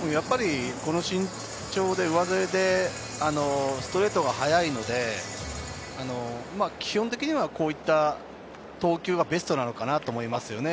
この身長でストレートが速いので、基本的にはこういった投球がベストなのかなと思いますね。